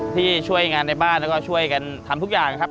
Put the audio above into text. ที่ช่วยงานในบ้านแล้วก็ช่วยกันทำทุกอย่างครับ